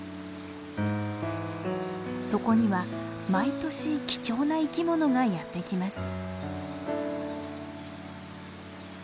そこには毎年貴重な生きものがやって来ます。